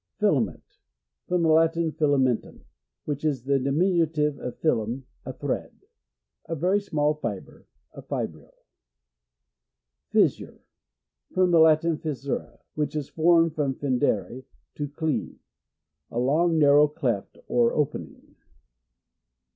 Filament. — From the Latin, jxlamen turn, which is the diminutive of ftUim, a thread. A very small fibre — a fibril. Fissure. — From the Latin, fissura, which is formed from jindere, to cleave. A long narrow cleft or opening.